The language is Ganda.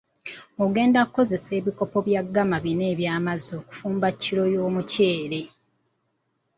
Ogenda kukozesa ebikopo bya ggama bina eby'amazzi okufumba kiro y'omukyere.